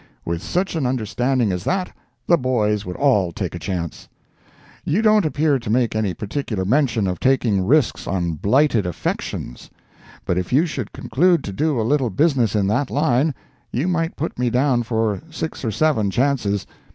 With such an understanding as that, the boys would all take a chance. You don't appear to make any particular mention of taking risks on blighted affections. But if you should conclude to do a little business in that line, you might put me down for six or seven chances.